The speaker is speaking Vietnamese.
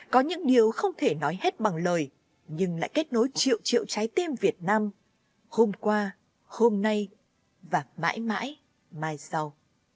có những điều không thể nói hết bằng lời nhưng lại kết nối triệu triệu trái tim việt nam hôm qua hôm nay và mãi mãi mai sau